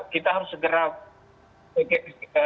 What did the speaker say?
kita harus segera